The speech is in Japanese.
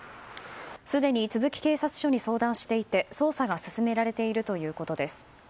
すでに都築警察署に相談していて捜査が進められているということです。